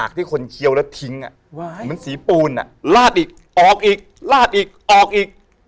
ที่คนเคี้ยวแล้วทิ้งเหมือนสีปูนลาดอีกออกอีกลาดอีกออกอีก